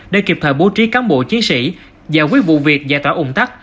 để kịp thời bố trí cán bộ chiến sĩ giải quyết vụ việc giải tỏa ủng tắc